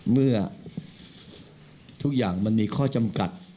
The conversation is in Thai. เมื่อทุกอย่างมันมีข้อจำกัด